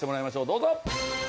どうぞ。